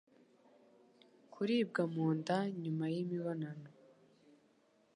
Kuribwa mu nda nyuma y'imibonanano